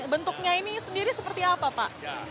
bentuknya ini sendiri seperti apa pak